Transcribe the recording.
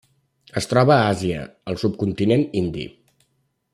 Es troba a Àsia: el subcontinent indi.